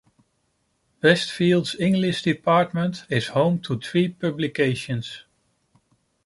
Westfield's English department is home to three publications.